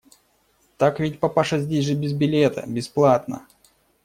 Так ведь, папаша, здесь же без билета, бесплатно!